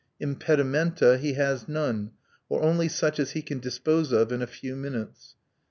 Impedimenta he has none, or only such as he can dispose of in a few minutes.